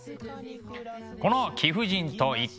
この「貴婦人と一角獣」。